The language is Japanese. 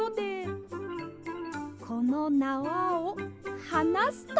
このなわをはなすと。